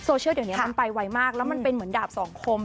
โซเชียลเดี๋ยวนี้มันไปไวมากแล้วมันเป็นเหมือนดาบสองคม